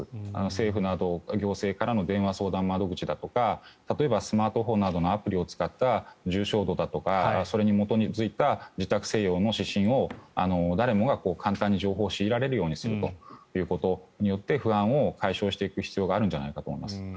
政府など行政からの電話相談窓口だとか例えば、スマートフォンなどのアプリを使った重症度だとかそれに基づいた自宅療養の指針を誰もが簡単に情報を仕入れられるようにすることで不安を解消していく必要があるんじゃないかと思います。